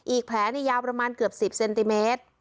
อีกแผลยาวประมาณเกือบ๑๐เซนติเมตร